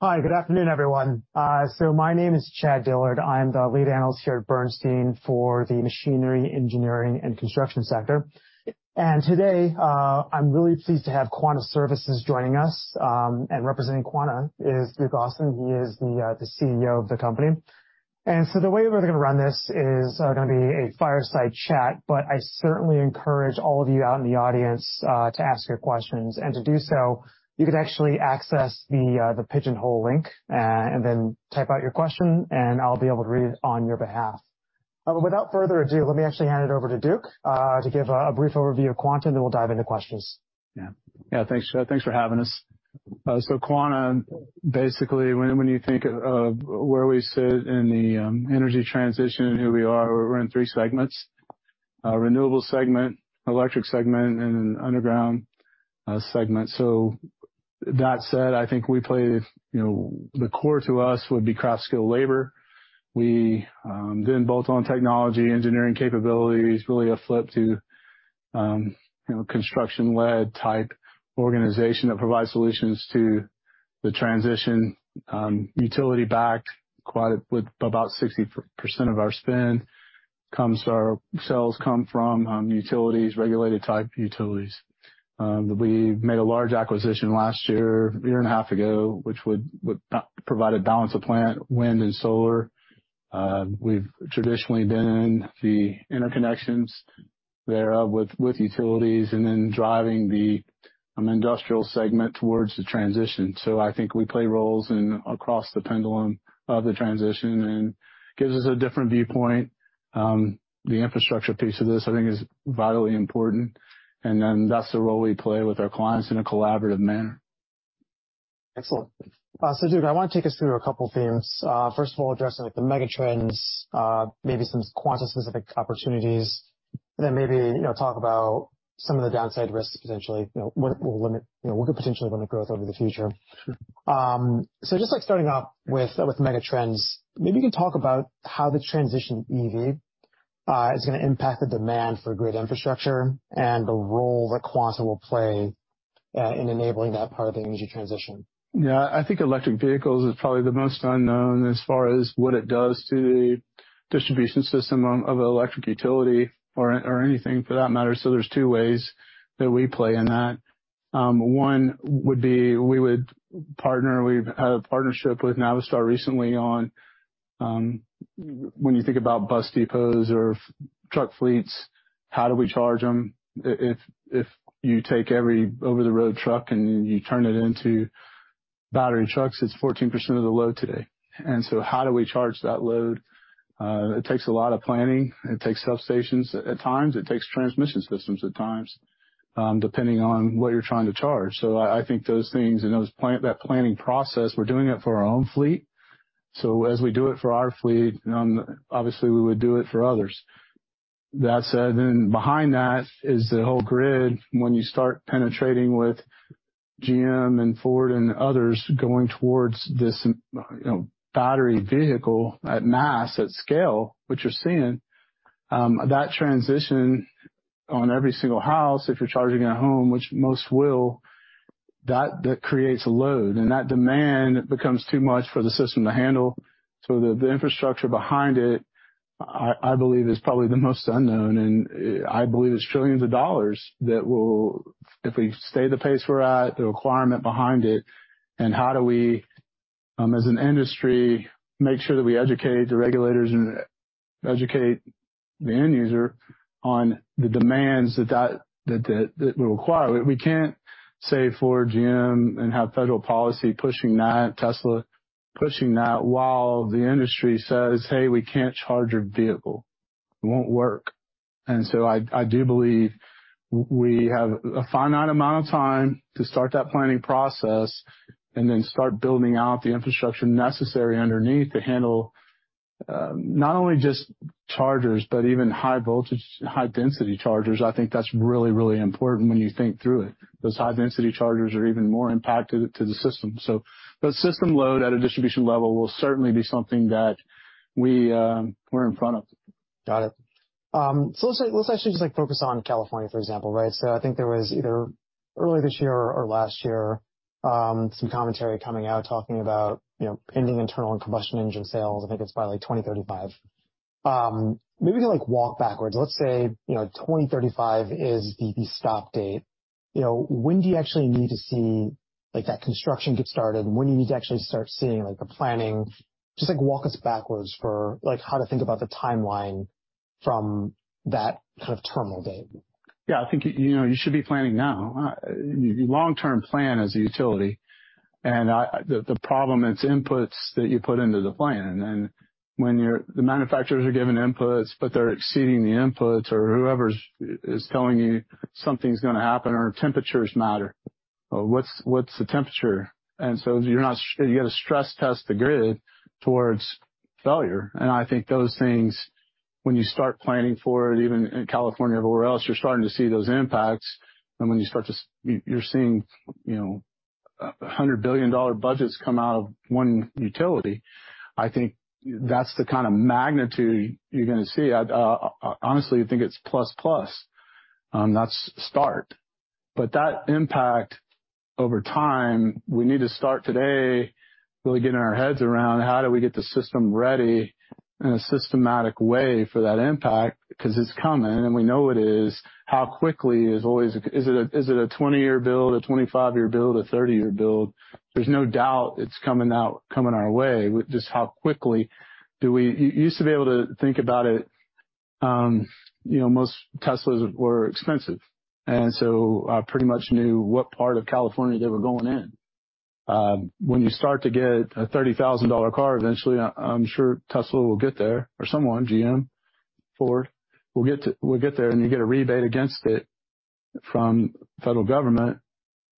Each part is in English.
Hi, good afternoon, everyone. My name is Chad Dillard. I'm the lead analyst here at Bernstein for the machinery, engineering, and construction sector. Today, I'm really pleased to have Quanta Services joining us. Representing Quanta is Duke Austin. He is the CEO of the company. The way we're gonna run this is gonna be a fireside chat, but I certainly encourage all of you out in the audience to ask your questions. To do so, you can actually access the Pigeonhole link, and then type out your question, and I'll be able to read it on your behalf. Without further ado, let me actually hand it over to Duke to give a brief overview of Quanta, then we'll dive into questions. Thanks, Chad. Thanks for having us. Quanta, basically, when you think of where we sit in the energy transition and who we are, we're in three segments. Our renewable segment, electric segment, and underground segment. With that said, I think we play, you know, the core to us would be craft skill labor. We bolt on technology, engineering capabilities, really a flip to, you know, construction-led type organization that provides solutions to the transition, utility backed, with about 60% of our spend, our sales come from utilities, regulated type utilities. We made a large acquisition last year, a year and a half ago, which would provide a balance of plant, wind, and solar. We've traditionally been the interconnections thereof, with utilities, and then driving the industrial segment towards the transition. I think we play roles in across the pendulum of the transition, and gives us a different viewpoint. The infrastructure piece of this, I think is vitally important. That's the role we play with our clients in a collaborative manner. Excellent. Duke, I want to take us through a couple themes. First of all, addressing, like, the mega trends, maybe some Quanta-specific opportunities, and then maybe, you know, talk about some of the downside risks potentially, you know, what will limit, you know, what could potentially limit growth over the future. Just like starting off with mega trends, maybe you can talk about how the transition EV is gonna impact the demand for grid infrastructure, and the role that Quanta will play in enabling that part of the energy transition. Yeah. I think electric vehicles is probably the most unknown as far as what it does to the distribution system of electric utility or anything for that matter. There's two ways that we play in that. One would be, we've had a partnership with Navistar recently on, when you think about bus depots or truck fleets, how do we charge them? If you take every over-the-road truck and you turn it into battery trucks, it's 14% of the load today. How do we charge that load? It takes a lot of planning. It takes substations at times, it takes transmission systems at times, depending on what you're trying to charge. I think those things and that planning process, we're doing it for our own fleet. As we do it for our fleet, obviously we would do it for others. That said, behind that is the whole grid. When you start penetrating with GM and Ford and others going towards this, you know, battery vehicle at mass, at scale, which you're seeing, that transition on every single house, if you're charging at home, which most will, that creates a load, and that demand becomes too much for the system to handle. The infrastructure behind it, I believe is probably the most unknown, and I believe it's $ trillions that will. If we stay the pace we're at, the requirement behind it, and how do we, as an industry, make sure that we educate the regulators and educate the end user on the demands that will require? We can't say Ford, GM, and have federal policy pushing that, Tesla, pushing that, while the industry says, "Hey, we can't charge your vehicle." It won't work. I do believe we have a finite amount of time to start that planning process, and then start building out the infrastructure necessary underneath to handle, not only just chargers, but even high voltage, high density chargers. I think that's really, really important when you think through it. Those high density chargers are even more impacted to the system. The system load at a distribution level will certainly be something that we're in front of. Got it. Let's, let's actually just, like, focus on California, for example, right? I think there was either early this year or last year, some commentary coming out, talking about, you know, ending internal and combustion engine sales, I think it's by like, 2035. Maybe you can, like, walk backwards. Let's say, you know, 2035 is the stop date. You know, when do you actually need to see, like, that construction get started? When do you need to actually start seeing, like, the planning? Just, like, walk us backwards for, like, how to think about the timeline from that kind of terminal date. Yeah, I think, you know, you should be planning now. Your long-term plan as a utility, the problem, it's inputs that you put into the plan. When the manufacturers are giving inputs, but they're exceeding the inputs, or whoever's telling you something's gonna happen, or temperatures matter, or what's the temperature? You got to stress test the grid towards failure. I think those things, when you start planning for it, even in California or everywhere else, you're starting to see those impacts. When you're seeing, you know, $100 billion budgets come out of one utility, I think that's the kind of magnitude you're gonna see. I honestly think it's plus, that's start. That impact over time, we need to start today, really getting our heads around how do we get the system ready in a systematic way for that impact? It's coming, and we know it is. How quickly is always, is it a 20-year build, a 25-year build, a 30-year build? There's no doubt it's coming our way, just how quickly do we... You used to be able to think about it, you know, most Teslas were expensive, so I pretty much knew what part of California they were going in. When you start to get a $30,000 car, eventually, I'm sure Tesla will get there or someone, GM, Ford, will get there, and you get a rebate against it from federal government,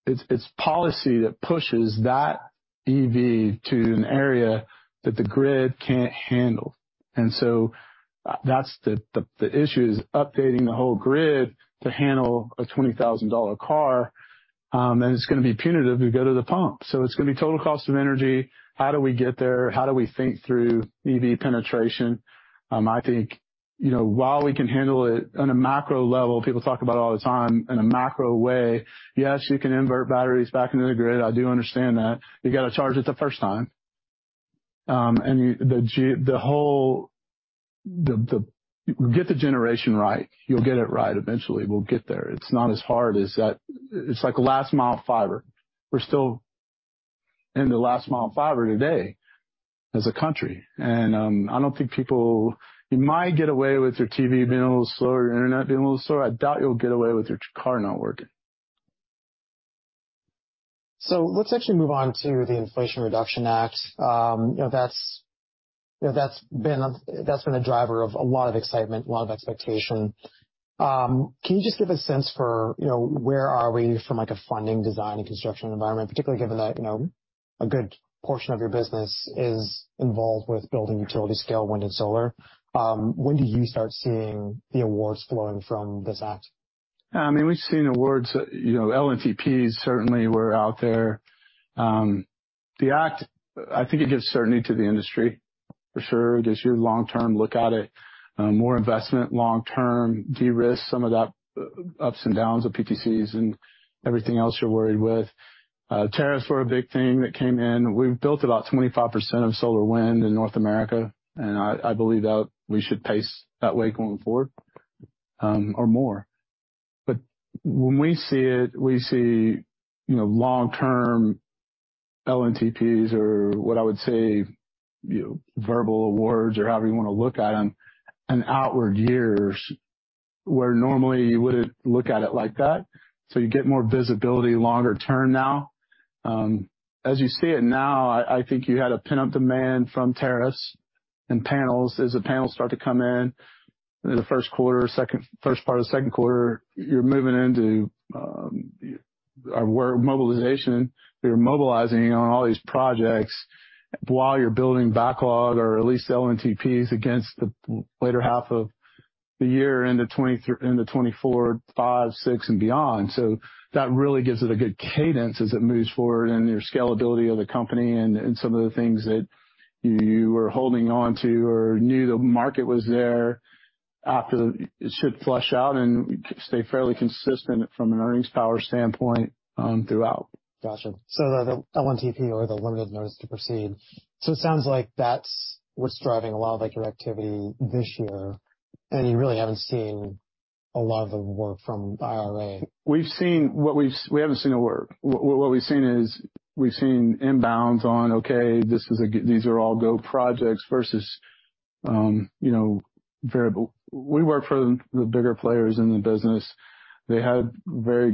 it's policy that pushes that EV to an area that the grid can't handle. That's the issue, is updating the whole grid to handle a $20,000 car. It's gonna be punitive to go to the pump. It's gonna be total cost of energy. How do we get there? How do we think through EV penetration? I think, you know, while we can handle it on a macro level, people talk about it all the time in a macro way. Yes, you can invert batteries back into the grid. I do understand that. You got to charge it the first time. Get the generation right, you'll get it right. Eventually, we'll get there. It's not as hard as that. It's like last mile fiber. We're still in the last mile fiber today as a country. You might get away with your TV being a little slower, your internet being a little slower. I doubt you'll get away with your car not working. Let's actually move on to the Inflation Reduction Act. You know, that's, you know, that's been a driver of a lot of excitement, a lot of expectation. Can you just give a sense for, you know, where are we from, like, a funding design and construction environment, particularly given that, you know, a good portion of your business is involved with building utility scale, wind and solar? When do you start seeing the awards flowing from this act? I mean, we've seen awards, you know, LNTPs certainly were out there. The act, I think, gives certainty to the industry for sure. Gives you a long-term look at it, more investment, long-term, de-risk some of that ups and downs of PTCs and everything else you're worried with. Tariffs were a big thing that came in. We've built about 25% of solar wind in North America, and I believe that we should pace that way going forward, or more. When we see it, we see, you know, long-term LNTPs or what I would say, you know, verbal awards or however you want to look at them, and outward years, where normally you wouldn't look at it like that, so you get more visibility longer term now. As you see it now, I think you had a pin up demand from tariffs and panels. As the panels start to come in the first quarter, first part of the second quarter, you're moving into where mobilization, we are mobilizing on all these projects while you're building backlog or at least LNTPs against the later half of the year into 2023, into 2024, 2025, 2026 and beyond. That really gives it a good cadence as it moves forward, and your scalability of the company and some of the things that you were holding on to or knew the market was there, after it should flush out and stay fairly consistent from an earnings power standpoint, throughout. Gotcha. The LNTP or the limited notice to proceed. It sounds like that's what's driving a lot of, like, your activity this year, and you really haven't seen a lot of the work from IRA. We haven't seen the work. What we've seen is, we've seen inbounds on, okay, these are all go projects versus, you know, variable. We work for the bigger players in the business. They had very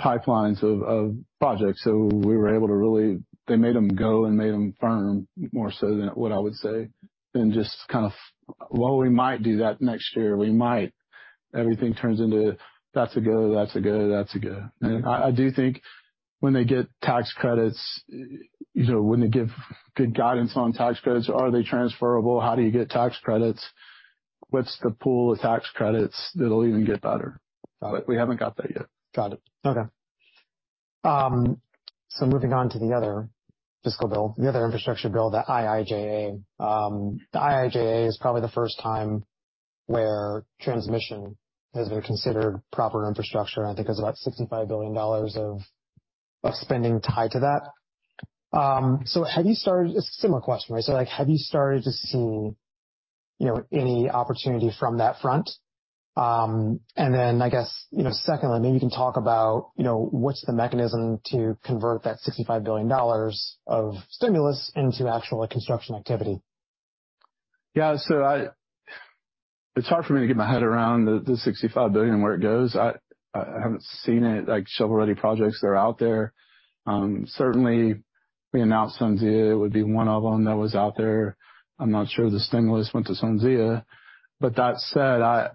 good pipelines of projects, we were able to really. They made them go and made them firm more so than what I would say, than just kind of, well, we might do that next year. We might. Everything turns into, that's a go, that's a go, that's a go. I do think when they get tax credits, you know, when they give good guidance on tax credits, are they transferable? How do you get tax credits? What's the pool of tax credits? It'll even get better. Got it. We haven't got that yet. Got it. Okay. Moving on to the other fiscal bill, the other infrastructure bill, the IIJA. The IIJA is probably the first time where transmission has been considered proper infrastructure, and I think there's about $65 billion of spending tied to that. Have you started... A similar question, right? Like, have you started to see, you know, any opportunity from that front? I guess, you know, secondly, maybe you can talk about, you know, what's the mechanism to convert that $65 billion of stimulus into actual construction activity? It's hard for me to get my head around the $65 billion, where it goes. I haven't seen it, like shovel-ready projects that are out there. Certainly, we announced SunZia. It would be one of them that was out there. I'm not sure the stimulus went to SunZia, but that said,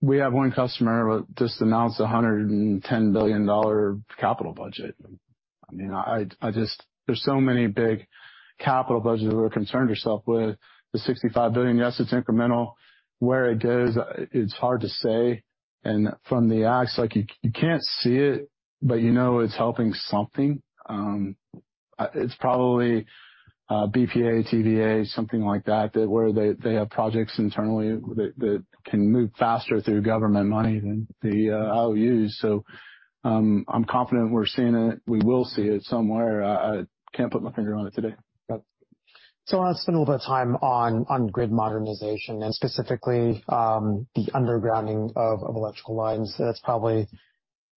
we have one customer who just announced a $110 billion capital budget. I mean, there's so many big capital budgets we're concerned ourselves with. The $65 billion, yes, it's incremental. Where it goes, it's hard to say, and from the acts, like you can't see it, but you know it's helping something. It's probably BPA, TVA, something like that, where they have projects internally that can move faster through government money than the IOUs. I'm confident we're seeing it. We will see it somewhere. I can't put my finger on it today. Got it. I want to spend a little bit of time on grid modernization and specifically, the undergrounding of electrical lines. That's probably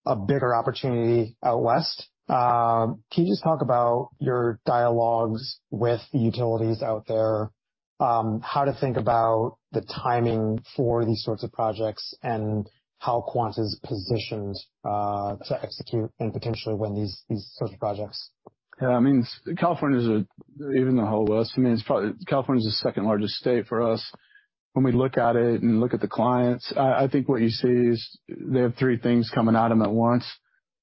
a bigger opportunity out west. Can you just talk about your dialogues with the utilities out there? How to think about the timing for these sorts of projects, and how Quanta is positioned to execute and potentially win these sort of projects? Yeah, I mean, California is even the whole West, I mean, California is the second largest state for us. When we look at it and look at the clients, I think what you see is they have three things coming at them at once.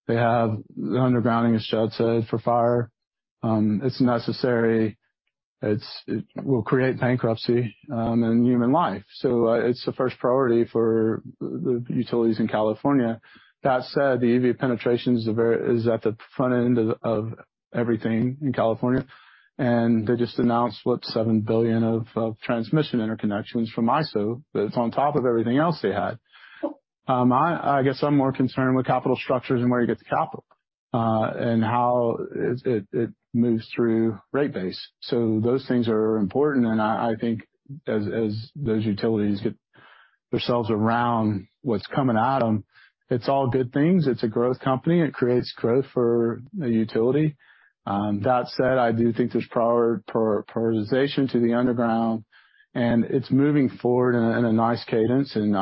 They have the undergrounding, as [showed in] for fire. It's necessary. It will create bankruptcy and human life. It's the first priority for the utilities in California. That said, the EV penetration is at the front end of everything in California, and they just announced, what? $7 billion of transmission interconnections from ISO. That's on top of everything else they had. I guess I'm more concerned with capital structures and where you get the capital and how it moves through rate base. Those things are important, and I think as those utilities get themselves around what's coming at them, it's all good things. It's a growth company. It creates growth for the utility. That said, I do think there's prioritization to the underground, and it's moving forward in a nice cadence, and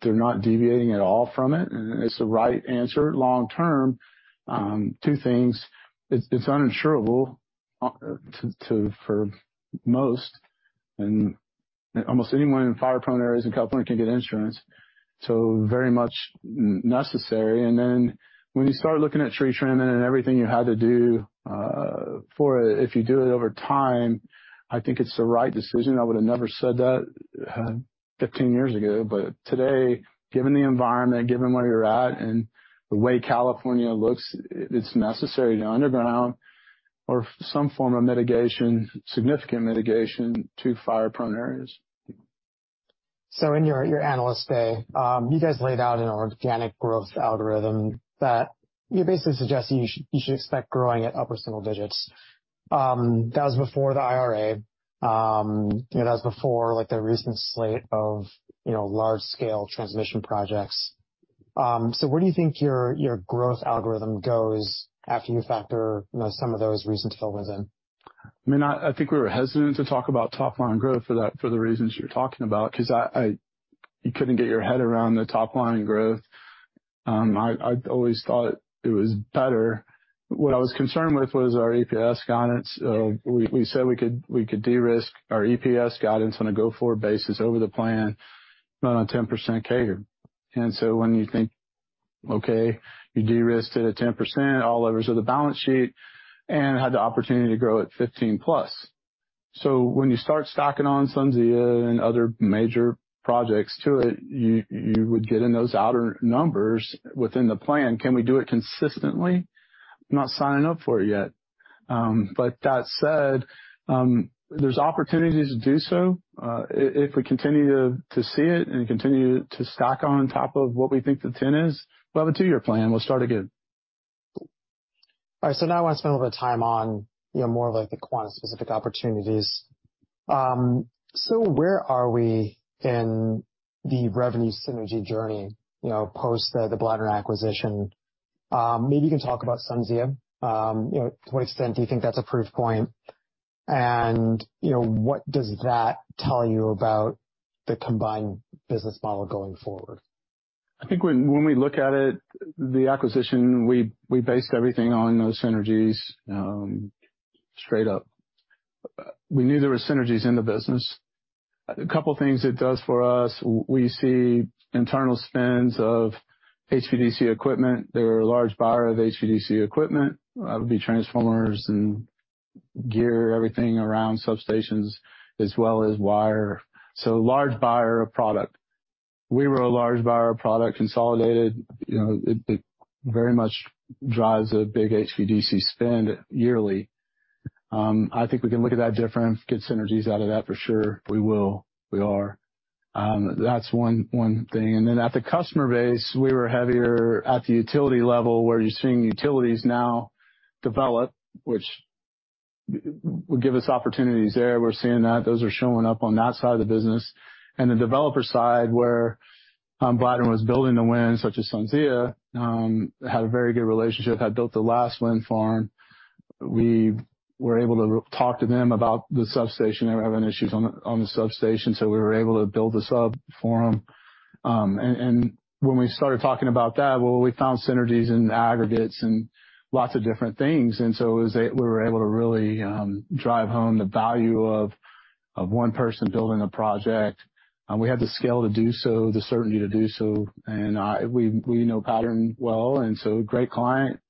they're not deviating at all from it, and it's the right answer long term. Two things: It's uninsurable for most, and almost anyone in fire-prone areas in California can't get insurance, so very much necessary. When you start looking at tree trimming and everything you had to do for it, if you do it over time, I think it's the right decision. I would have never said that, 15 years ago, but today, given the environment, given where you're at and the way California looks, it's necessary to underground or some form of mitigation, significant mitigation to fire-prone areas. In your Investor Day, you guys laid out an organic growth algorithm that you're basically suggesting you should expect growing at upper single digits. That was before the IRA. You know, that was before, like, the recent slate of, you know, large-scale transmission projects. Where do you think your growth algorithm goes after you factor, you know, some of those recent developments in? I mean, I think we were hesitant to talk about top-line growth for that, for the reasons you're talking about, cause you couldn't get your head around the top-line growth. I always thought it was better. What I was concerned with was our EPS guidance. We said we could de-risk our EPS guidance on a go-forward basis over the plan on a 10% CAGR. When you think, okay, you de-risked it at 10%, all levers of the balance sheet, and had the opportunity to grow at 15+. When you start stocking on SunZia and other major projects to it, you would get in those outer numbers within the plan. Can we do it consistently? I'm not signing up for it yet. That said, there's opportunities to do so. If we continue to see it and continue to stock on top of what we think the 10 is, we'll have a 2-year plan. We'll start again. Now I want to spend a little bit of time on, you know, more of, like, the Quanta-specific opportunities. Where are we in the revenue synergy journey, you know, post the Blattner acquisition? Maybe you can talk about SunZia. You know, to what extent do you think that's a proof point? What does that tell you about the combined business model going forward? I think when we look at it, the acquisition, we based everything on those synergies, straight up. We knew there were synergies in the business. A couple things it does for us, we see internal spends of HVDC equipment. They're a large buyer of HVDC equipment. That would be transformers and gear, everything around substations as well as wire. Large buyer of product. We were a large buyer of product, consolidated. You know, it very much drives a big HVDC spend yearly. I think we can look at that different, get synergies out of that, for sure. We will. We are. That's one thing. At the customer base, we were heavier at the utility level, where you're seeing utilities now develop, which will give us opportunities there. We're seeing that. Those are showing up on that side of the business. The developer side, where Blattner was building the wind, such as SunZia, had a very good relationship, had built the last wind farm. We were able to talk to them about the substation. They were having issues on the substation, we were able to build a sub for them. When we started talking about that, we found synergies and aggregates and lots of different things. We were able to really drive home the value of one person building a project. We have the scale to do so, the certainty to do so, and we know Pattern well, great client.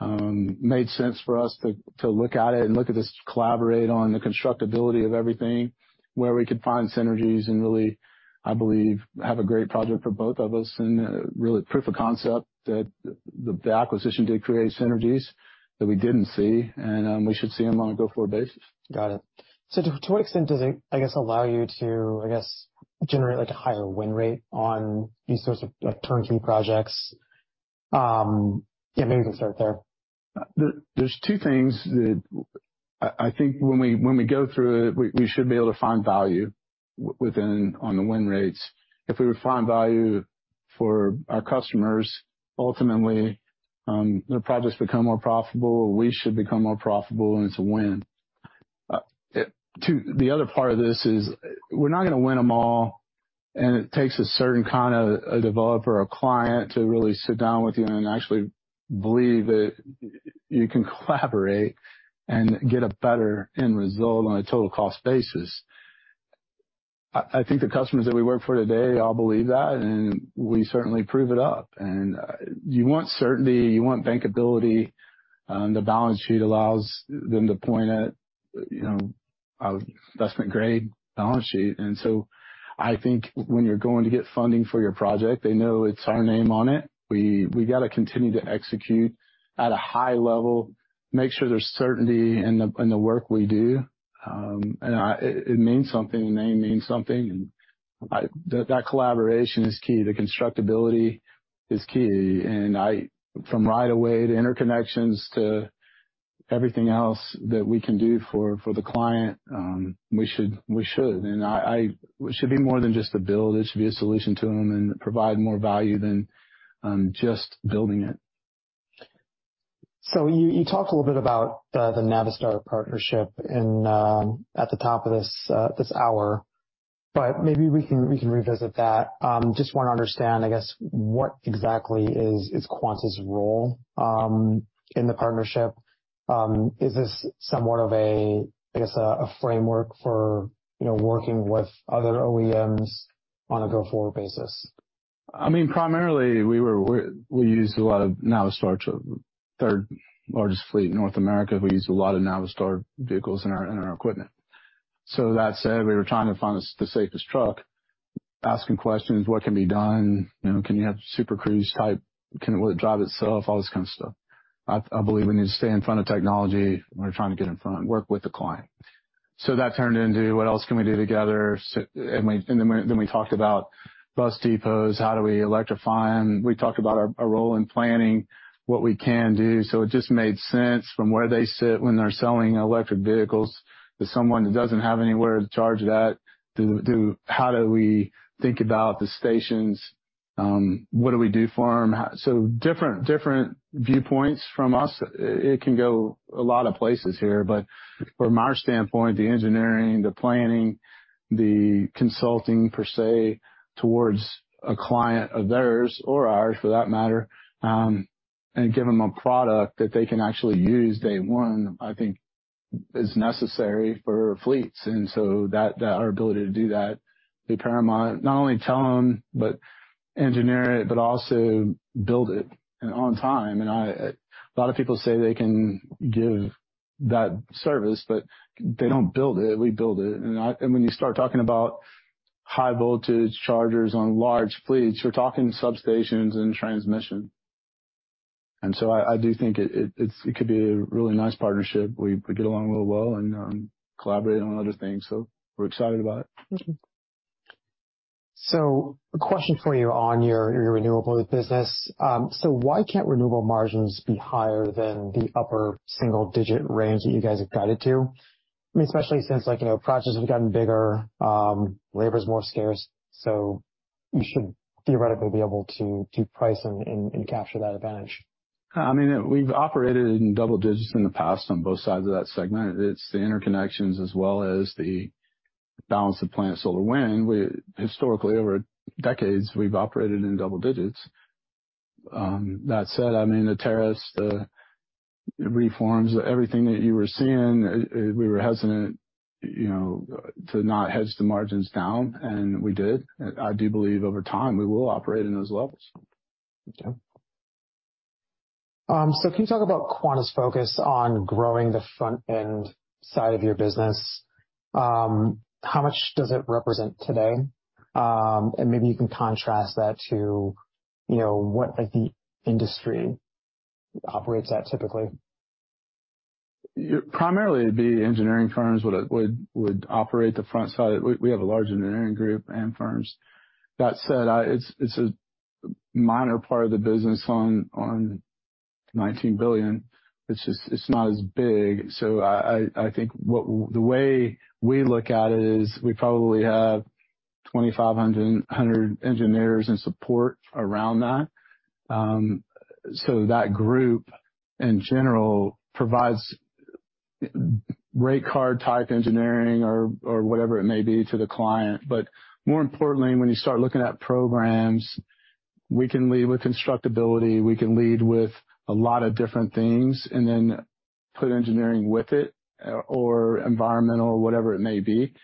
Made sense for us to look at it and look at this, collaborate on the constructability of everything, where we could find synergies and really, I believe, have a great project for both of us, and really proof of concept that the acquisition did create synergies that we didn't see, and we should see them on a go-forward basis. Got it. To what extent does it, I guess, allow you to, I guess, generate, like, a higher win rate on these sorts of, like, turnkey projects? Yeah, maybe we can start there. There's two things that I think when we go through it, we should be able to find value within, on the win rates. If we would find value for our customers, ultimately, their projects become more profitable, we should become more profitable, and it's a win. Two, the other part of this is, we're not gonna win them all, and it takes a certain kind of a developer or client to really sit down with you and actually believe that you can collaborate and get a better end result on a total cost basis. I think the customers that we work for today all believe that, and we certainly prove it up. You want certainty, you want bankability, and the balance sheet allows them to point at, you know, a investment-grade balance sheet. I think when you're going to get funding for your project, they know it's our name on it. We gotta continue to execute at a high level, make sure there's certainty in the work we do. It means something, the name means something, that collaboration is key. The constructability is key, from right of way to interconnections, to everything else that we can do for the client, we should, we should. It should be more than just a build, it should be a solution to them and provide more value than just building it. You talked a little bit about the Navistar partnership and at the top of this hour, but maybe we can revisit that. Just wanna understand, I guess, what exactly is Quanta's role in the partnership? Is this somewhat of a, I guess, a framework for, you know, working with other OEMs on a go-forward basis? I mean, primarily, we used a lot of Navistar, third largest fleet in North America. We used a lot of Navistar vehicles in our equipment. That said, we were trying to find the safest truck, asking questions, what can be done? You know, can you have Super Cruise type? Can, will it drive itself? All this kind of stuff. I believe we need to stay in front of technology. We're trying to get in front, work with the client. That turned into: What else can we do together? We, and then we talked about bus depots, how do we electrify them? We talked about our role in planning, what we can do. It just made sense from where they sit when they're selling electric vehicles, to someone who doesn't have anywhere to charge that, to how do we think about the stations? What do we do for them? So different viewpoints from us. It can go a lot of places here, but from our standpoint, the engineering, the planning, the consulting, per se, towards a client of theirs, or ours for that matter, and give them a product that they can actually use day one, I think is necessary for fleets. That, our ability to do that is paramount. Not only tell them, but engineer it, but also build it, and on time. A lot of people say they can give that service, but they don't build it. We build it. When you start talking about high voltage chargers on large fleets, you're talking substations and transmission. I do think it's, it could be a really nice partnership. We get along really well and collaborate on other things, so we're excited about it. A question for you on your renewable business. Why can't renewable margins be higher than the upper single-digit range that you guys have guided to? I mean, especially since like, you know, projects have gotten bigger, labor's more scarce, you should theoretically be able to price and capture that advantage. I mean, we've operated in double digits in the past on both sides of that segment. It's the interconnections as well as the balance of plant solar wind. Historically, over decades, we've operated in double digits. That said, I mean, the tariffs, the reforms, everything that you were seeing, we were hesitant, you know, to not hedge the margins down, and we did. I do believe over time, we will operate in those levels. Can you talk about Quanta's focus on growing the front-end side of your business? How much does it represent today? Maybe you can contrast that to, you know, what, like, the industry operates at typically? Primarily, it'd be engineering firms would operate the front side. We have a large engineering group and firms. That said, it's a minor part of the business on $19 billion. It's just, it's not as big. The way we look at it is, we probably have 2,500 engineers and support around that. That group, in general, provides rate card type engineering or whatever it may be, to the client. More importantly, when you start looking at programs, we can lead with constructability, we can lead with a lot of different things, put engineering with it, or environmental or whatever it may be,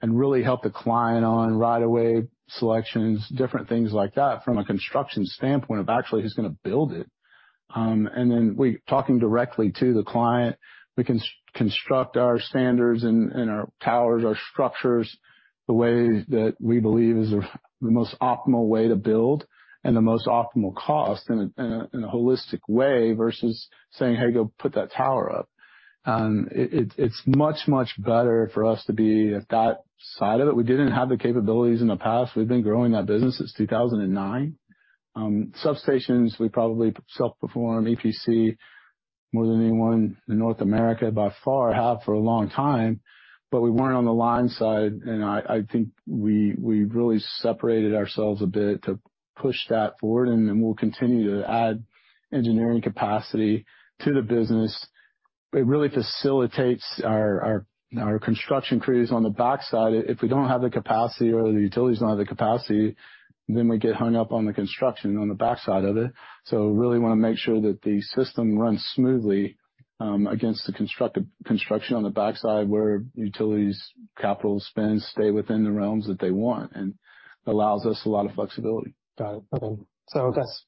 and really help the client on right-of-way selections, different things like that, from a construction standpoint of actually who's going to build it. Then talking directly to the client, we construct our standards and our towers, our structures, the way that we believe is the most optimal way to build and the most optimal cost in a holistic way, versus saying, "Hey, go put that tower up." It's much better for us to be at that side of it. We didn't have the capabilities in the past. We've been growing that business since 2009. Substations, we probably self-perform EPC more than anyone in North America by far, have for a long time, but we weren't on the line side. I think we've really separated ourselves a bit to push that forward, then we'll continue to add engineering capacity to the business. It really facilitates our construction crews on the backside. If we don't have the capacity or the utilities don't have the capacity, then we get hung up on the construction on the backside of it. We really want to make sure that the system runs smoothly, against the construction on the backside, where utilities, capital spends stay within the realms that they want, and allows us a lot of flexibility. Got it. Okay. I guess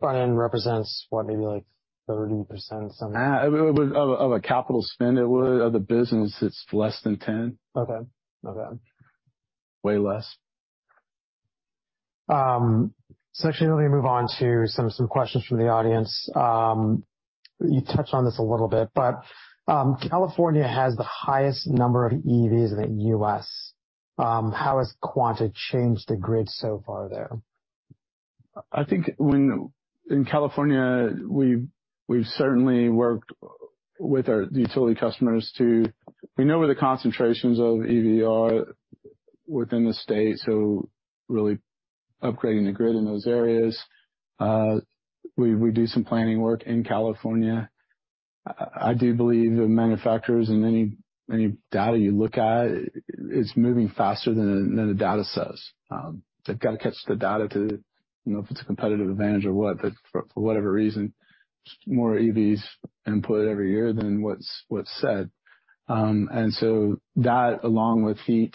front end represents what, maybe like 30% or something? Of a capital spend, it would. Of the business, it's less than 10%. Okay. Okay. Way less. Actually, let me move on to some questions from the audience. You touched on this a little bit, but California has the highest number of EVs in the U.S. How has Quanta changed the grid so far there? I think in California, we've certainly worked with our, the utility customers to. We know where the concentrations of EV are within the state, so really upgrading the grid in those areas. We do some planning work in California. I do believe the manufacturers and any data you look at, it's moving faster than the data says. They've got to catch the data to, you know, if it's a competitive advantage or what, but for whatever reason, more EVs input every year than what's said. That, along with heat,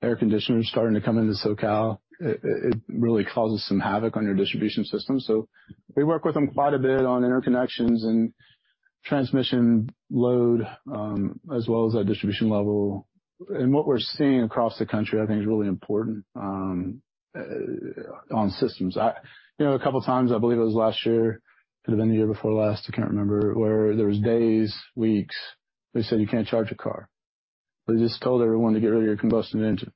air conditioners starting to come into SoCal, it really causes some havoc on your distribution system. We work with them quite a bit on interconnections and transmission load, as well as our distribution level. What we're seeing across the country, I think is really important, on systems. You know, a couple times, I believe it was last year, could have been the year before last, I can't remember, where there was days, weeks, they said, "You can't charge a car." They just told everyone to get rid of your combustion engine.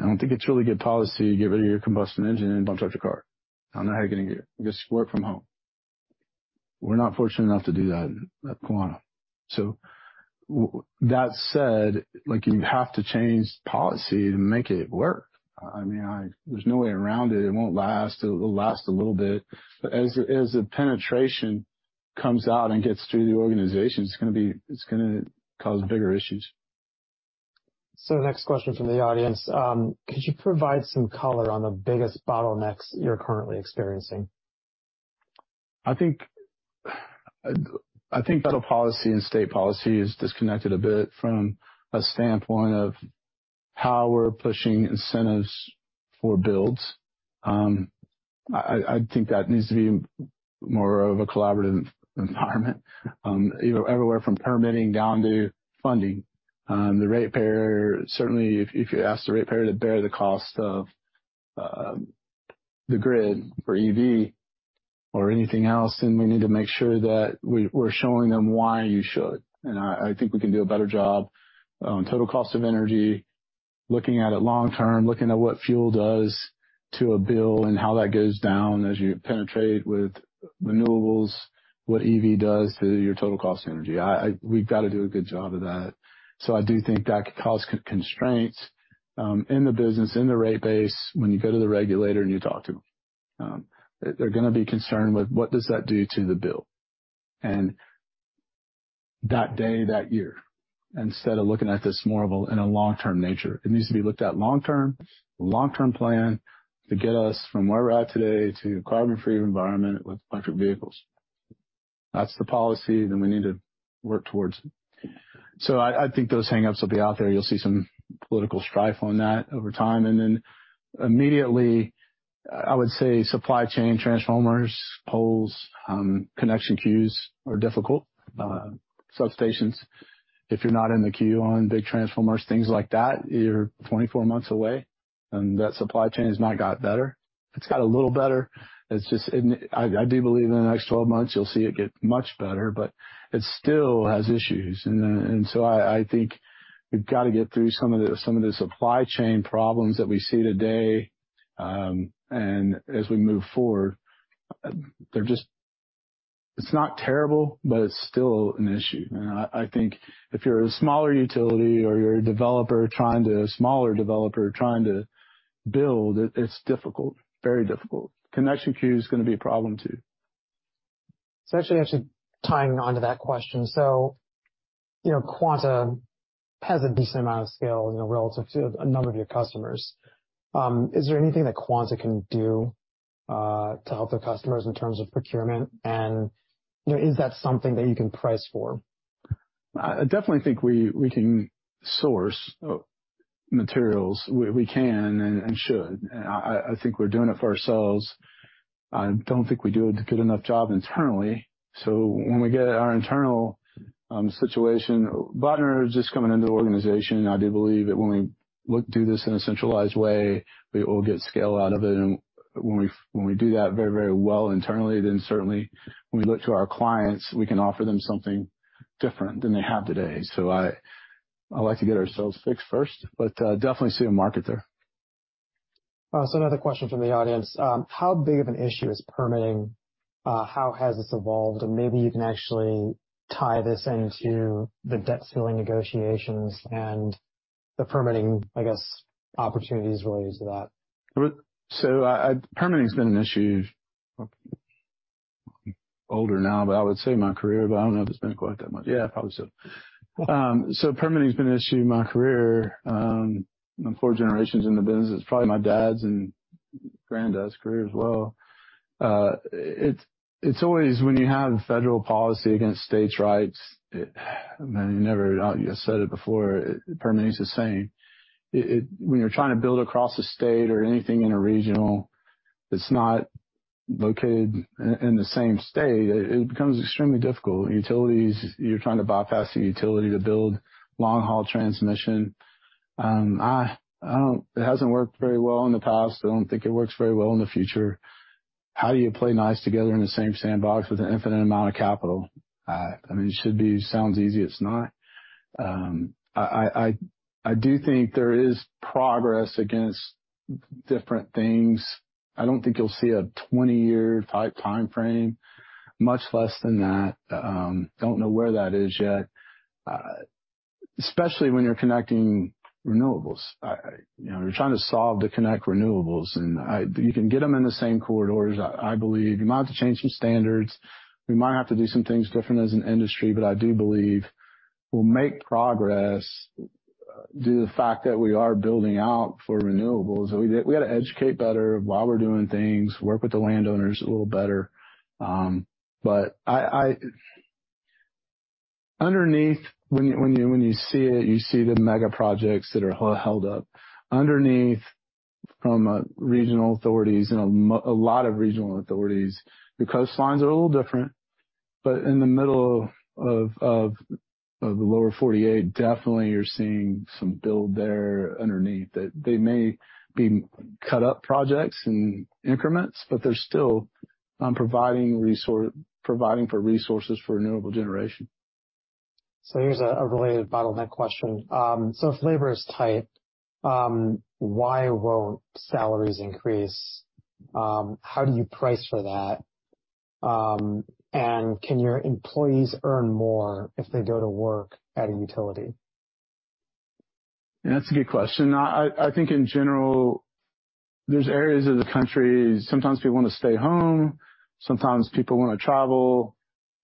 I don't think it's really good policy to get rid of your combustion engine and don't charge a car. I don't know how you're going to just work from home. We're not fortunate enough to do that at Quanta. That said, like, you have to change policy to make it work. I mean, there's no way around it. It won't last. It'll last a little bit, as the penetration comes out and gets through the organization, it's gonna cause bigger issues. The next question from the audience: Could you provide some color on the biggest bottlenecks you're currently experiencing? I think federal policy and state policy is disconnected a bit from a standpoint of how we're pushing incentives for builds. I think that needs to be more of a collaborative environment, you know, everywhere from permitting down to funding. The ratepayer, certainly if you ask the ratepayer to bear the cost of the grid for EV or anything else, then we need to make sure that we're showing them why you should. I think we can do a better job on total cost of energy, looking at it long term, looking at what fuel does to a bill and how that goes down as you penetrate with renewables, what EV does to your total cost of energy. We've got to do a good job of that. I do think that could cause constraints in the business, in the rate base. When you go to the regulator and you talk to them, they're gonna be concerned with: What does that do to the bill? That day, that year, instead of looking at this more of a, in a long-term nature. It needs to be looked at long term, long-term plan, to get us from where we're at today to carbon-free environment with electric vehicles. That's the policy, we need to work towards it. I think those hangouts will be out there. You'll see some political strife on that over time. Immediately, I would say supply chain, transformers, poles, connection queues are difficult. Substations, if you're not in the queue on big transformers, things like that, you're 24 months away, that supply chain has not got better. It's got a little better. It's just. I do believe in the next 12 months, you'll see it get much better, but it still has issues. So I think we've got to get through some of the supply chain problems that we see today, as we move forward, it's not terrible, but it's still an issue. I think if you're a smaller utility or you're a developer trying to build, it's difficult. Very difficult. Connection queue is gonna be a problem, too. Actually tying onto that question, you know, Quanta has a decent amount of scale, you know, relative to a number of your customers. Is there anything that Quanta can do to help their customers in terms of procurement? You know, is that something that you can price for? I definitely think we can source materials. We can and should. I think we're doing it for ourselves. I don't think we do a good enough job internally, so when we get our internal situation, Blattner is just coming into the organization. I do believe that when we do this in a centralized way, we will get scale out of it. When we do that very, very well internally, then certainly when we look to our clients, we can offer them something different than they have today. I'd like to get ourselves fixed first, but definitely see a market there. Another question from the audience. How big of an issue is permitting? How has this evolved? Maybe you can actually tie this into the debt ceiling negotiations and the permitting opportunities related to that? Permitting has been an issue, older now, but I would say my career, but I don't know if it's been quite that much. Yeah, probably so. Permitting has been an issue my career, and 4 generations in the business. It's probably my dad's and granddad's career as well. It's always when you have federal policy against states' rights, it I mean, you never, I just said it before, permitting is the same. When you're trying to build across the state or anything in a regional that's not located in the same state, it becomes extremely difficult. Utilities, you're trying to bypass the utility to build long-haul transmission. It hasn't worked very well in the past. I don't think it works very well in the future. How do you play nice together in the same sandbox with an infinite amount of capital? I mean, it should be, sounds easy, it's not. I do think there is progress against different things. I don't think you'll see a 20-year type timeframe, much less than that. Don't know where that is yet. Especially when you're connecting renewables. You know, you're trying to solve to connect renewables, and you can get them in the same corridors, I believe. You might have to change some standards. We might have to do some things different as an industry, but I do believe we'll make progress due to the fact that we are building out for renewables. We got to educate better while we're doing things, work with the landowners a little better. I underneath, when you see it, you see the mega projects that are held up. Underneath, from regional authorities and a lot of regional authorities, the coastlines are a little different, but in the middle of the lower 48, definitely you're seeing some build there underneath, that they may be cut up projects and increments, but they're still providing for resources for renewable generation. Here's a related bottleneck question. If labor is tight, why won't salaries increase? How do you price for that? Can your employees earn more if they go to work at a utility? That's a good question. I think in general, there's areas of the country, sometimes people want to stay home, sometimes people want to travel.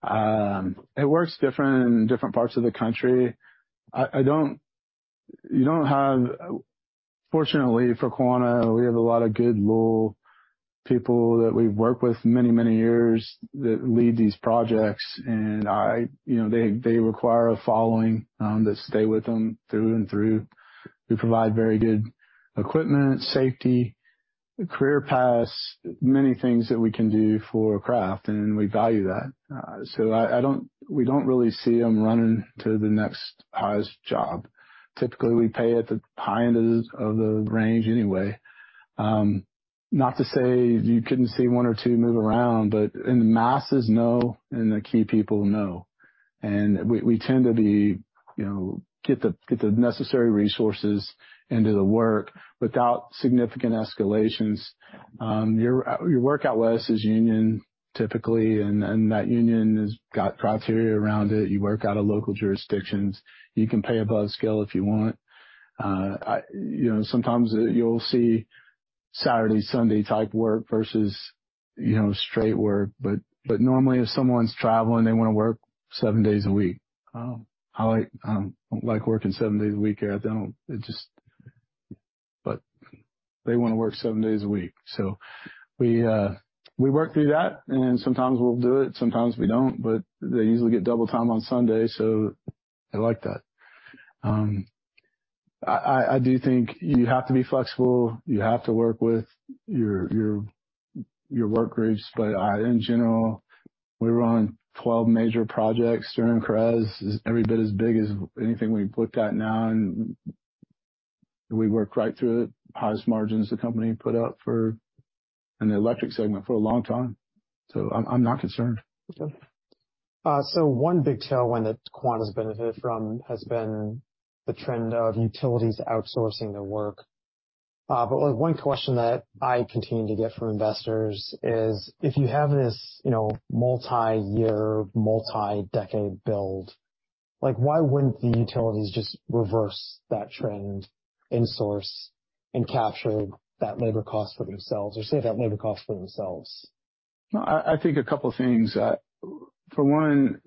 It works different in different parts of the country. Fortunately for Quanta, we have a lot of good, loyal people that we've worked with many, many years that lead these projects. You know, they require a following that stay with them through and through. We provide very good equipment, safety, career paths, many things that we can do for craft, and we value that. We don't really see them running to the next highest job. Typically, we pay at the high end of the range anyway. Not to say you couldn't see one or two move around, but in the masses, no, and the key people, no. We tend to be, you know, get the necessary resources into the work without significant escalations. Your work out west is union, typically, and that union has got criteria around it. You work out of local jurisdictions. You can pay above scale if you want. I, you know, sometimes you'll see Saturday, Sunday type work versus, you know, straight work. Normally if someone's traveling, they want to work seven days a week. I like working seven days a week here. I don't. They want to work seven days a week. we work through that, and sometimes we'll do it, sometimes we don't, but they usually get double time on Sunday, so they like that. I do think you have to be flexible. You have to work with your work groups. In general, we were on 12 major projects during CREZ, is every bit as big as anything we've looked at now, and we worked right through the highest margins the company put out for in the electric segment for a long time. I'm not concerned. One big tailwind that Quanta's benefited from has been the trend of utilities outsourcing their work. One question that I continue to get from investors is: If you have this, you know, multi-year, multi-decade build, like, why wouldn't the utilities just reverse that trend, insource and capture that labor cost for themselves or save that labor cost for themselves? No, I think a couple things. For one,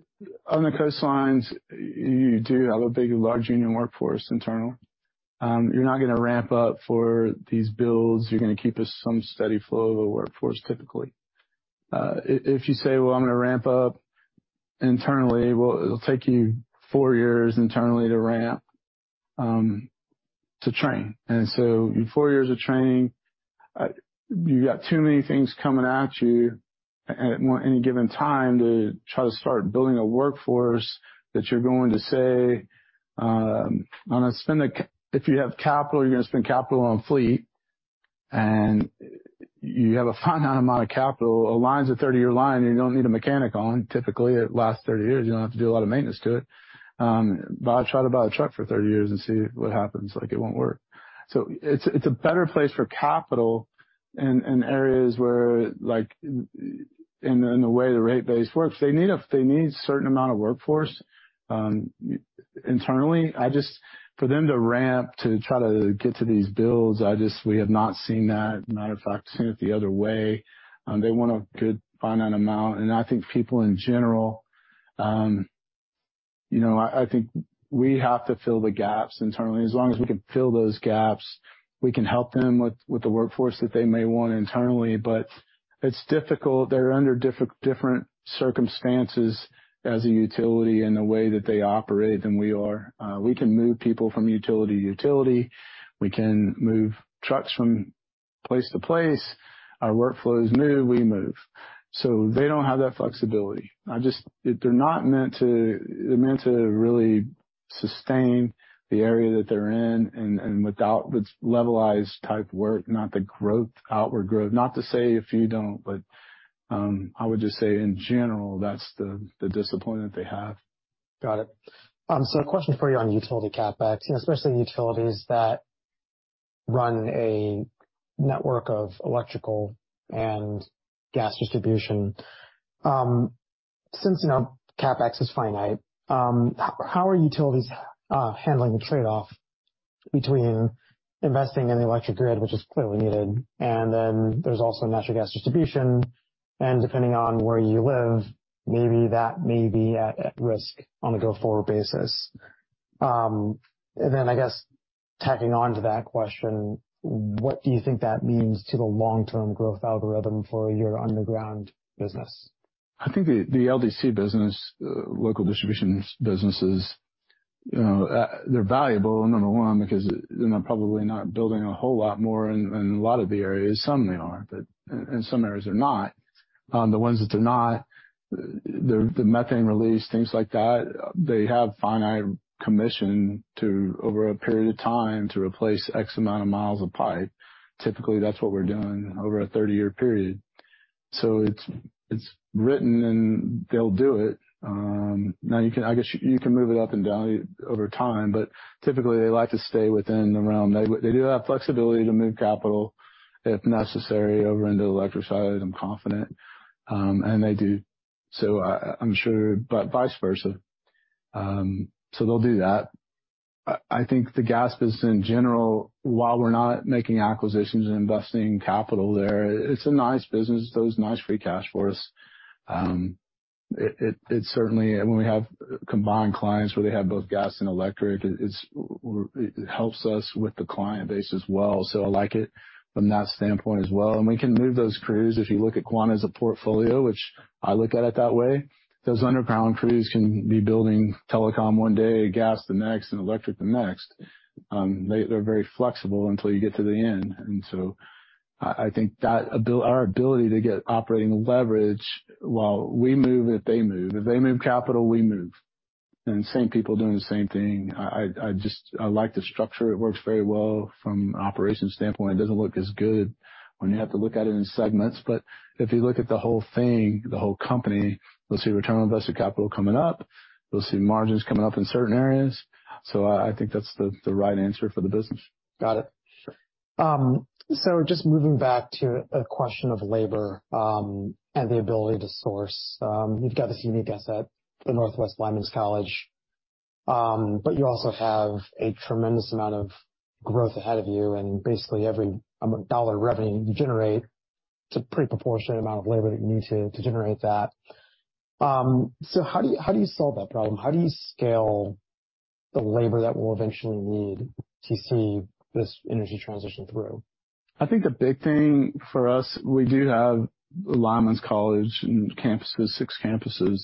on the coastlines, you do have a big, large union workforce internal. You're not gonna ramp up for these builds. You're gonna keep us some steady flow of a workforce, typically. If you say, well, I'm gonna ramp up internally, well, it'll take you four years internally to ramp to train. In four years of training, you've got too many things coming at you at any given time to try to start building a workforce that you're going to say, If you have capital, you're gonna spend capital on fleet, and you have a finite amount of capital. A line's a 30-year line, you don't need a mechanic on. Typically, it lasts 30 years, you don't have to do a lot of maintenance to it. Try to buy a truck for 30 years and see what happens, like, it won't work. It's a better place for capital in areas where, like, in the way the rate base works, they need a certain amount of workforce internally. I just for them to ramp to try to get to these builds, we have not seen that, matter of fact, seen it the other way. They want a good finite amount. I think people in general, you know, I think we have to fill the gaps internally. As long as we can fill those gaps, we can help them with the workforce that they may want internally, but it's difficult. They're under different circumstances as a utility, and the way that they operate, than we are. We can move people from utility to utility. We can move trucks from place to place. Our workflows move, we move. They don't have that flexibility. They're not meant to. They're meant to really sustain the area that they're in, with levelized type work, not the growth, outward growth. Not to say if you don't, but, I would just say in general, that's the discipline that they have. Got it. A question for you on utility CapEx, especially utilities that run a network of electrical and gas distribution. Since, you know, CapEx is finite, how are utilities handling the trade-off between investing in the electric grid, which is clearly needed, there's also natural gas distribution, depending on where you live, maybe that may be at risk on a go-forward basis? I guess tacking on to that question, what do you think that means to the long-term growth algorithm for your underground business? I think the LDC business, local distribution businesses, you know, they're valuable, number one, because they're not, probably not building a whole lot more in a lot of the areas. Some they are, but in some areas they're not. The ones that they're not, the methane release, things like that, they have finite commission to, over a period of time, to replace X amount of miles of pipe. Typically, that's what we're doing over a 30-year period. It's written and they'll do it. Now, I guess you can move it up and down over time, but typically, they like to stay within the realm. They do have flexibility to move capital, if necessary, over into the electric side, I'm confident. And they do. I'm sure, but vice versa. They'll do that. I think the gas business in general, while we're not making acquisitions and investing capital there, it's a nice business. Throws nice free cash for us. It certainly, when we have combined clients where they have both gas and electric, it helps us with the client base as well, I like it from that standpoint as well. We can move those crews. If you look at Quanta as a portfolio, which I look at it that way, those underground crews can be building telecom one day, gas the next, and electric the next. They're very flexible until you get to the end. I think that our ability to get operating leverage while we move, if they move. If they move capital, we move. The same people doing the same thing. I just like the structure. It works very well from an operations standpoint. It doesn't look as good when you have to look at it in segments, but if you look at the whole thing, the whole company, you'll see return on invested capital coming up, you'll see margins coming up in certain areas. I think that's the right answer for the business. Got it. Just moving back to a question of labor and the ability to source. You've got this unique asset, the Northwest Lineman College, but you also have a tremendous amount of growth ahead of you, and basically every dollar of revenue you generate, it's a pretty proportionate amount of labor that you need to generate that. How do you solve that problem? How do you scale the labor that we'll eventually need to see this energy transition through? I think the big thing for us, we do have Lineman's College and campuses, six campuses,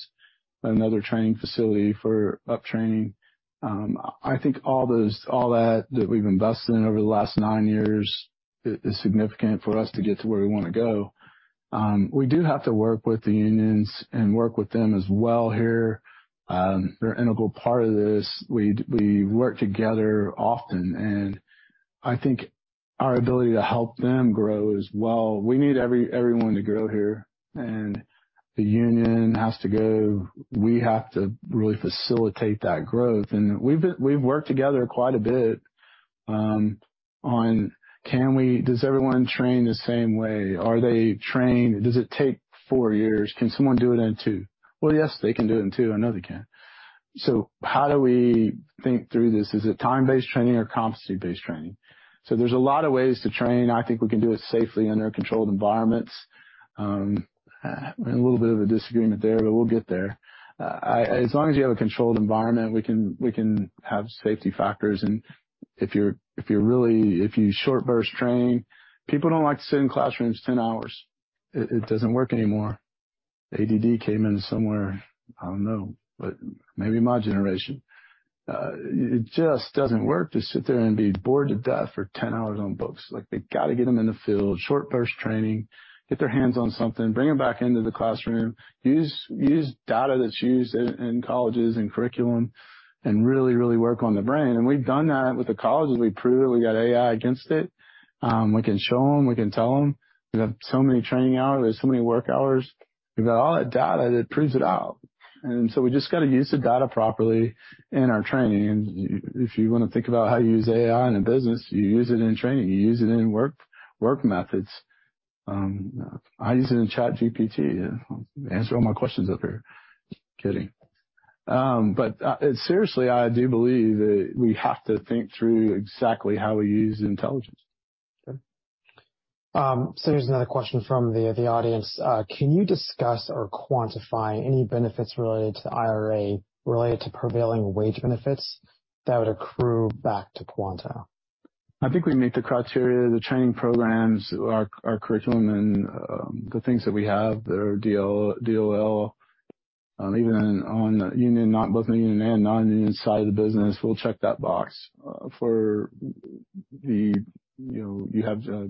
another training facility for up-training. I think all that we've invested in over the last nine years is significant for us to get to where we want to go. We do have to work with the unions and work with them as well here. They're an integral part of this. We work together often, and I think our ability to help them grow as well. We need everyone to grow here, and the union has to go. We have to really facilitate that growth. We've worked together quite a bit on does everyone train the same way? Are they trained? Does it take four years? Can someone do it in two? Well, yes, they can do it in two. I know they can. How do we think through this? Is it time-based training or competency-based training? There's a lot of ways to train. I think we can do it safely under controlled environments. A little bit of a disagreement there, but we'll get there. As long as you have a controlled environment, we can have safety factors, and if you're really if you short burst train, people don't like to sit in classrooms 10 hours. It doesn't work anymore. ADD came in somewhere, I don't know, but maybe my generation. It just doesn't work to sit there and be bored to death for 10 hours on books. Like, they've got to get them in the field, short burst training, get their hands on something, bring them back into the classroom, use data that's used in colleges and curriculum, really work on the brain. We've done that with the colleges. We've proved it. We got AI against it. We can show them, we can tell them, we have so many training hours, there's so many work hours. We've got all that data, and it proves it out. We just got to use the data properly in our training. If you want to think about how you use AI in a business, you use it in training, you use it in work methods. I use it in ChatGPT, to answer all my questions up here. Kidding. Seriously, I do believe that we have to think through exactly how we use intelligence. Here's another question from the audience. Can you discuss or quantify any benefits related to the IRA, related to prevailing wage benefits that would accrue back to Quanta? I think we meet the criteria, the training programs, our curriculum, the things that we have that are DOL. Even on union, not both the union and non-union side of the business, we'll check that box for the. You know, you have days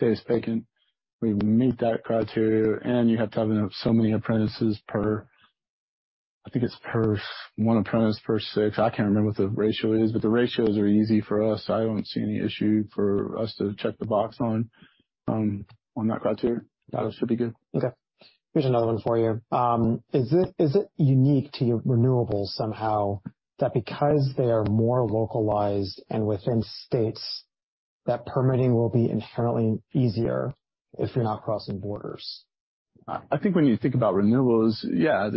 vacant, we meet that criteria, you have to have so many apprentices per, I think it's per 1 apprentice per 6. I can't remember what the ratio is. The ratios are easy for us. I don't see any issue for us to check the box on that criteria. That should be good. Here's another one for you. Is it unique to renewables somehow, that because they are more localized and within states, that permitting will be inherently easier if you're not crossing borders? I think when you think about renewables, yeah,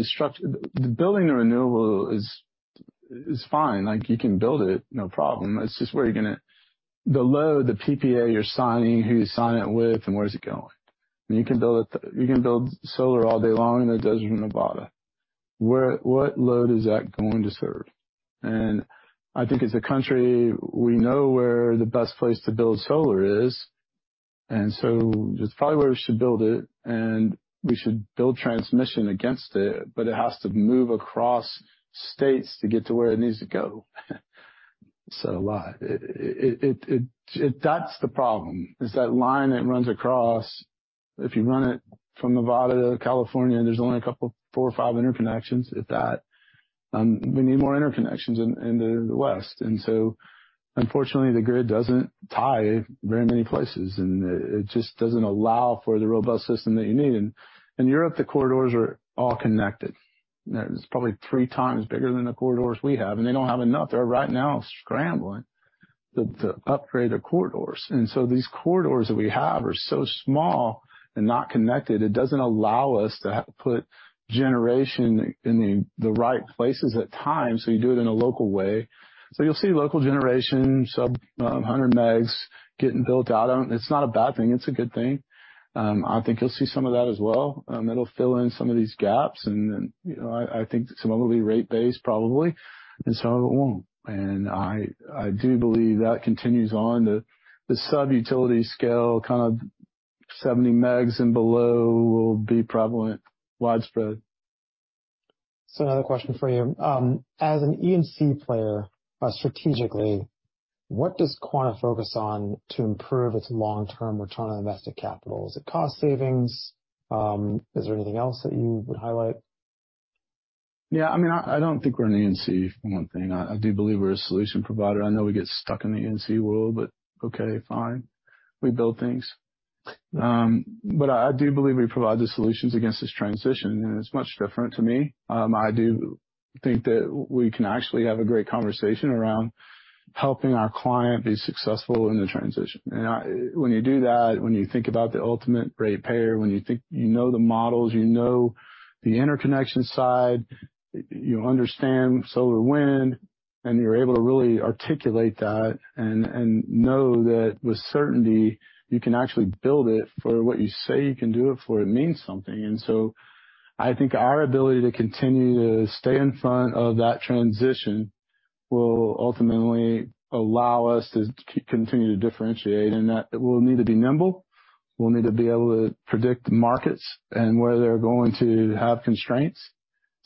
building a renewable is fine. Like, you can build it, no problem. It's just where you're going to... The load, the PPA you're signing, who you sign it with, and where's it going? You can build it, you can build solar all day long in the desert of Nevada. What load is that going to serve? I think as a country, we know where the best place to build solar is, and so it's probably where we should build it, and we should build transmission against it, but it has to move across states to get to where it needs to go. Said a lot. It, that's the problem, is that line that runs across. If you run it from Nevada to California, there's only a couple, 4 or 5 interconnections, if that. We need more interconnections in the West. Unfortunately, the grid doesn't tie very many places, and it just doesn't allow for the robust system that you need. In Europe, the corridors are all connected. There's probably 3 times bigger than the corridors we have, and they don't have enough. They're right now scrambling to upgrade their corridors. These corridors that we have are so small and not connected, it doesn't allow us to put generation in the right places at times, so you do it in a local way. You'll see local generation, sub 100 megs getting built out. It's not a bad thing, it's a good thing. I think you'll see some of that as well. It'll fill in some of these gaps and then, you know, I think some of it will be rate-based, probably, and some of it won't. I do believe that continues on to the sub-utility scale, kind of 70 megs and below will be prevalent, widespread. Another question for you. As an EMC player, strategically, what does Quanta focus on to improve its long-term return on invested capital? Is it cost savings? Is there anything else that you would highlight? Yeah, I mean, I don't think we're an EMC, for one thing. I do believe we're a solution provider. I know we get stuck in the EMC world, but okay, fine. We build things. I do believe we provide the solutions against this transition, and it's much different to me. I do think that we can actually have a great conversation around helping our client be successful in the transition. When you do that, when you think about the ultimate ratepayer, when you think you know the models, you know the interconnection side, you understand solar, wind, and you're able to really articulate that and know that with certainty you can actually build it for what you say you can do it for, it means something. I think our ability to continue to stay in front of that transition, will ultimately allow us to continue to differentiate, and that we'll need to be nimble. We'll need to be able to predict the markets and where they're going to have constraints.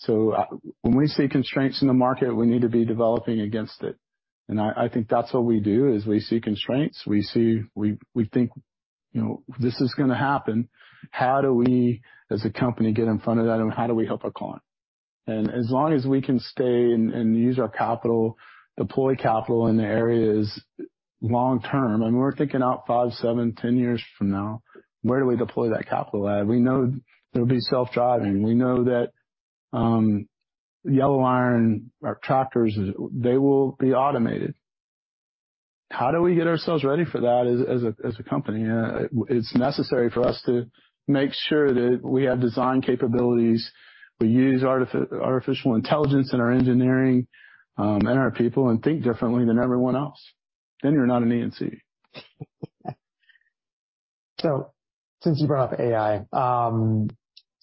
When we see constraints in the market, we need to be developing against it. I think that's what we do, is we see constraints, we think, you know, this is going to happen. How do we, as a company, get in front of that, and how do we help our client? As long as we can stay and use our capital, deploy capital in the areas long term, and we're thinking out 5, 7, 10 years from now, where do we deploy that capital at? We know it'll be self-driving. We know that, yellow iron, our tractors, they will be automated. How do we get ourselves ready for that as a, as a company? It's necessary for us to make sure that we have design capabilities. We use artificial intelligence in our engineering, and our people, and think differently than everyone else. You're not an EMC. Since you brought up AI,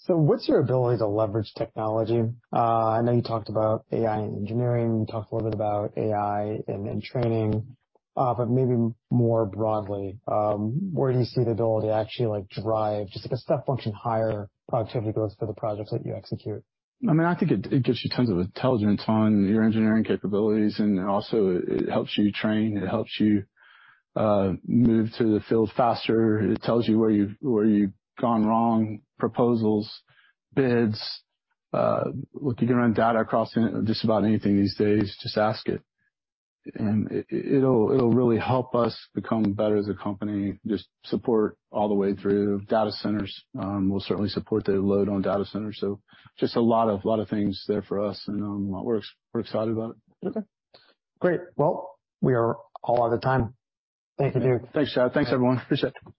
so what's your ability to leverage technology? I know you talked about AI in engineering. You talked a little bit about AI and training, but maybe more broadly, where do you see the ability to actually, like, drive just a step function, higher productivity goes for the projects that you execute? I mean, I think it gives you tons of intelligence on your engineering capabilities. It helps you train, it helps you move to the field faster. It tells you where you've gone wrong. Proposals, bids, look, you can run data across just about anything these days, just ask it, and it'll really help us become better as a company. Just support all the way through data centers. We'll certainly support the load on data centers. Just a lot of things there for us, and we're excited about it. Okay, great. Well, we are all out of time. Thank you, Duke. Thanks, Chad. Thanks, everyone. Appreciate it.